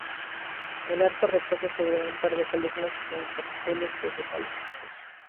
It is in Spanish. El arco reposa sobre un par de columnas con capiteles vegetales.